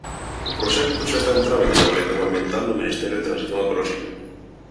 O proxecto xa está en trámite de Avaliación ambiental no Ministerio de Transición Ecolóxica.